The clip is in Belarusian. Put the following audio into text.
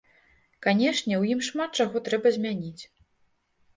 Канешне, у ім шмат чаго трэба змяніць.